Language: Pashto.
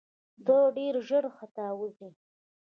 ته ډېر ژر ختاوزې !